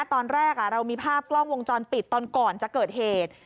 ตอนแรกเรามีภาพกล้องวงจรปิดตอนก่อนจะเกิดเหตุ